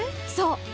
そう！